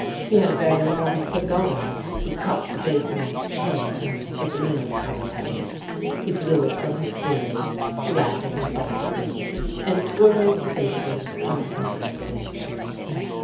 He had a very long, quick arm. He caught the basin as it came, but the meal covered him. He blew it from his beard, laughing softly, and twirled the basin on a finger point.